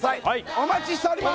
お待ちしております！